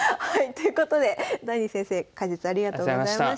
ということでダニー先生解説ありがとうございました。